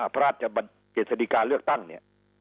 พระราชบันเกียรติศัตริกาเลือกตั้งเนี่ย